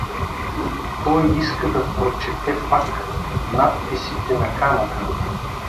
Той иска да прочете пак надписите на камъка.